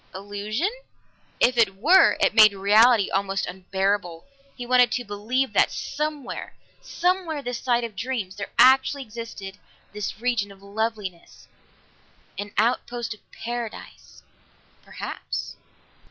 Illusion? If it were, it made reality almost unbearable; he wanted to believe that somewhere somewhere this side of dreams, there actually existed this region of loveliness. An outpost of Paradise? Perhaps.